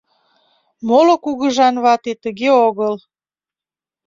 Моло кугыжанвате тыге огыл.